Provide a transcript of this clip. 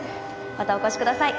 またお越しください。